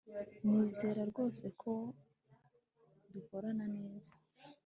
nizera rwose ko dukorana neza